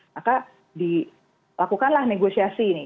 maka dilakukanlah negosiasi ini